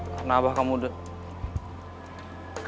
karena abah kamu udah